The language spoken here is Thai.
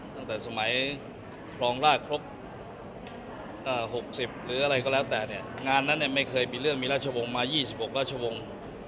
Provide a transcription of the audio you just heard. ตั้งแต่สมัยครองราชครบ๖๐หรืออะไรก็แล้วแต่เนี่ยงานนั้นเนี่ยไม่เคยมีเรื่องมีราชวงศ์มา๒๖ราชวงศ์